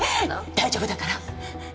大丈夫だから